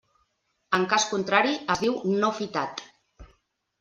En cas contrari, es diu no fitat.